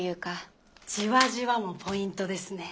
「じわじわ」もポイントですね。